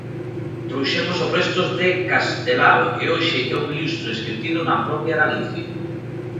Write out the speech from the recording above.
Trouxemos os restos de Castelao e hoxe é un ilustre esquecido na propia Galicia.